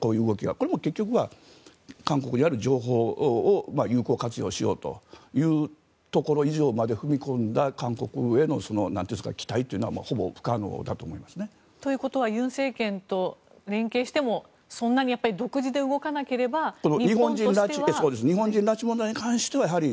これも結局は韓国にある情報を有効活用しようというところ以上まで踏み込んだ韓国への期待というのはほぼ不可能だと思いますね。ということは尹政権と連携してもそんなに独自で動かなければ日本としては。日本人拉致問題に関してはやはり。